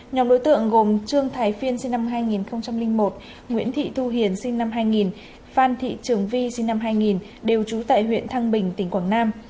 nhóm đối tượng gồm trương thái phiên sinh năm hai nghìn một nguyễn thị thu hiền sinh năm hai nghìn phan thị trường vi sinh năm hai nghìn đều trú tại huyện thăng bình tỉnh quảng nam